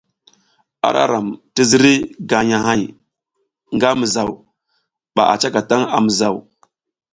Ara ram ti ziriy gagnahay nga mizaw ba a cakatang a mizaw.